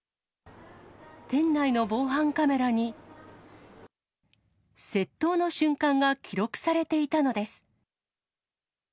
店内の防犯カメラに、窃盗の瞬間が記録されていたのです。